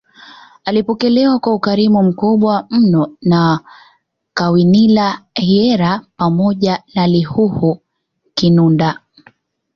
Alipokelewa kwa ukarimu mkubwa mno na Kawinila Hyera pamoja na Lihuhu Kinunda